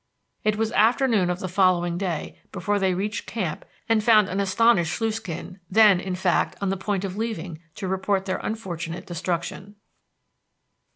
It was afternoon of the following day before they reached camp and found an astonished Sluiskin, then, in fact, on the point of leaving to report their unfortunate destruction.